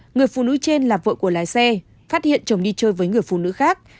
người phụ nữ trên là vợ của lái xe phát hiện chồng đi chơi với người phụ nữ khác